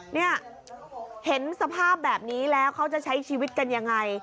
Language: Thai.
เนี่ยเห็นสภาพแบบนี้แล้วเขาจะใช้ชีวิตกันยังไง